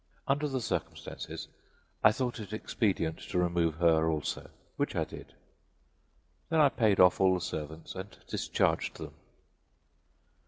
Under the circumstances, I thought it expedient to remove her also, which I did. Then I paid off all the servants and discharged them.